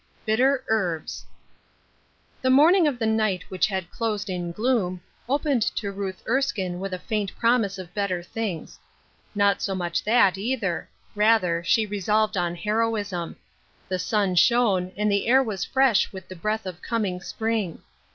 BITTEB HEBBB HE morning of the night which had closed in gloom, opened to Ruth Erskine with a faint promise of better things. Not so much that, either ; rather, she resolved on heroism. The sun shone, and the air was fresh with the breath of coming spring.